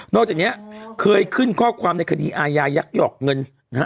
นอกจากเนี้ยเคยขึ้นข้อความในคดีอายายักษ์หยอกเงิน